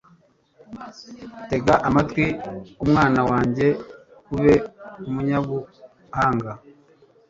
tega amatwi, mwana wanjye, ube umunyabuhanga